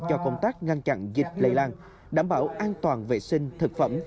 cho công tác ngăn chặn dịch lây lan đảm bảo an toàn vệ sinh thực phẩm